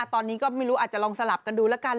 ตอนนี้ก็ไม่รู้อาจจะลองสลับกันดูแล้วกัน